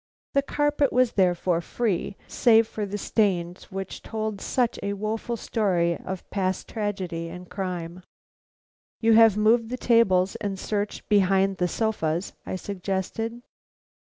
The carpet was therefore free, save for the stains which told such a woful story of past tragedy and crime. "You have moved the tables and searched behind the sofas," I suggested.